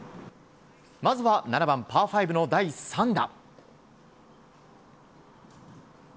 まずは７番、パー５の第３打。